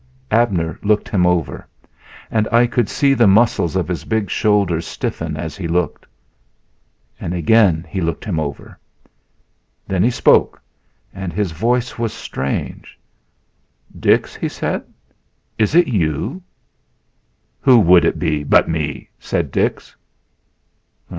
Abner looked him over. And I could see the muscles of his big shoulders stiffen as he looked. And again he looked him over. Then he spoke and his voice was strange. "Dix," he said, "is it you?" "Who would it be but me?" said Dix.